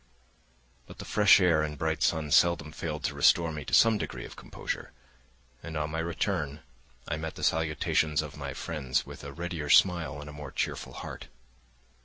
But the fresh air and bright sun seldom failed to restore me to some degree of composure, and on my return I met the salutations of my friends with a readier smile and a more cheerful heart.